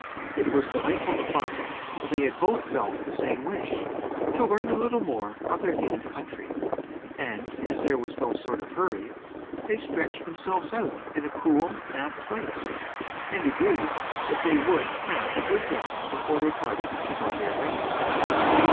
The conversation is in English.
It was delightful to find that they both felt the same wish to learn a little more of their native country and as there was no sort of hurry they stretched themselves out in a cool, damp place, and agreed that they would have a good rest before they parted to go their ways.